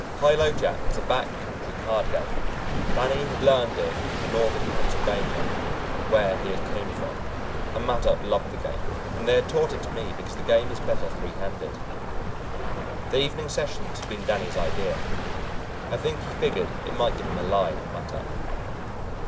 High low jack is a back country card game; Danny had learned it in northern Pennsylvania, where he came from, and Mattup loved the game, and they had taught it to me because the game is better three handed. The evening sessions had been Danny's idea I think he figured it might give him a line on Mattup.